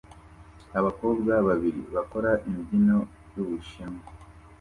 Abakobwa babiri bakora imbyino y'Ubushinwa